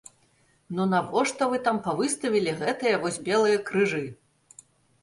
Ну навошта вы там павыставілі гэтыя вось белыя крыжы?